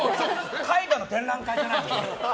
絵画の展覧会じゃないの。